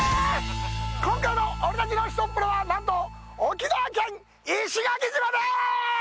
今回の「俺たちのひとっ風呂！」は、なんと、沖縄県石垣島です！